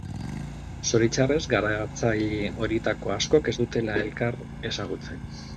zoritxarrez garatzaile horietako askok ez dutela elkar ezagutzen